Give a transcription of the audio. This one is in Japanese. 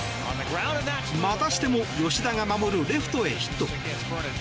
またしても吉田が守るレフトへヒット。